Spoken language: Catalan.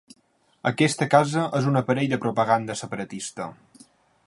Aquesta casa és un aparell de propaganda separatista.